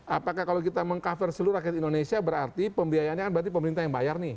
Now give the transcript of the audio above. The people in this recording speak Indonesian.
apakah kalau kita meng cover seluruh rakyat indonesia berarti pembiayaannya kan berarti pemerintah yang bayar nih